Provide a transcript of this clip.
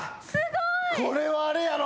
これはあれやろ。